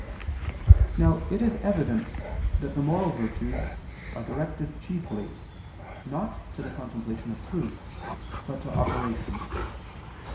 Now it is evident that the moral virtues are directed chiefly, not to the contemplation of truth but to operation.